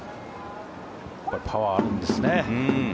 パワーがあるんですね。